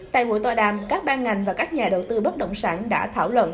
tại buổi tòa đàm các ban ngành và các nhà đầu tư bất động sản đã thảo luận